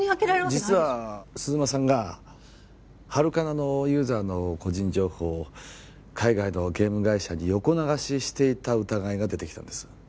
実は鈴間さんがハルカナのユーザーの個人情報を海外のゲーム会社に横流ししていた疑いが出てきたんです